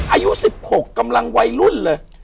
อายุ๑๖กำลังวัยรุ่นเลย